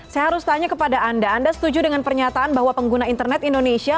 saya harus tanya kepada anda anda setuju dengan pernyataan bahwa pengguna internet indonesia